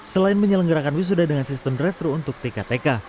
selain menyelenggarakan wisuda dengan sistem drive thru untuk tktk